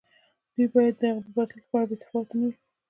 دوی باید د هغه د برخلیک په اړه بې تفاوت نه وي.